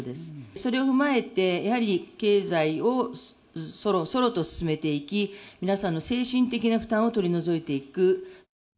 それを踏まえて、やはり、経済をそろそろと進めていき、皆さんの精神的な負担を取り除いていく。